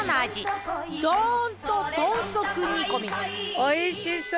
おいしそう！